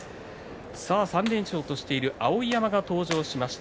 ３連勝としてる碧山が登場しました。